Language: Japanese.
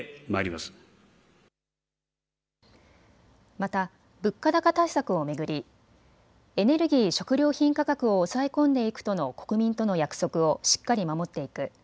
また物価高対策を巡りエネルギー・食料品価格を抑え込んでいくとの国民との約束をしっかり守っていく。